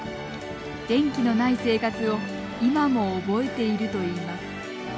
電気のない生活を今も覚えているといいます。